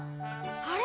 あれ？